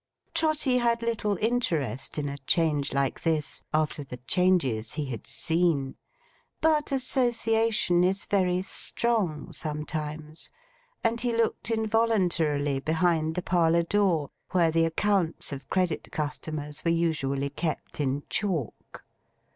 Trotty had little interest in a change like this, after the changes he had seen; but association is very strong sometimes; and he looked involuntarily behind the parlour door, where the accounts of credit customers were usually kept in chalk.